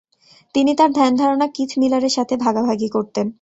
তিনি তাঁর ধ্যান-ধারণা কিথ মিলারের সাথে ভাগাভাগি করতেন।